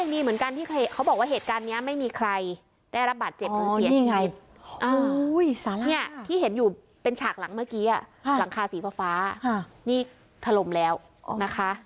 นี่ไงโอ้ยสาราที่เห็นอยู่เป็นฉากหลังเมื่อกี้อ่ะหลังคาสีฟ้าฟ้านี่ถล่มแล้วนะคะ